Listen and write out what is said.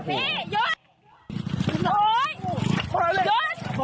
หยุดพี่หยุด